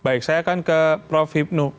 baik saya akan ke prof hipnu